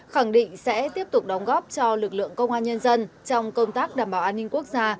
khẳng định sẽ tiếp tục đóng góp cho lực lượng công an nhân dân trong công tác đảm bảo an ninh quốc gia